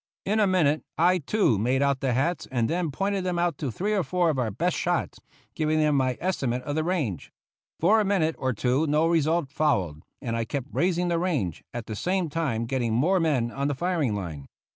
In a minute I, too, made out the hats, and then pointed them out to three or four of our best shots, giving them my estimate of the range. For a minute or two no result followed, and I kept raising the range, at the same time getting more men on the firing line.